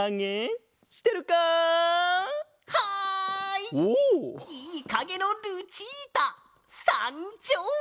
いいかげのルチータさんじょう！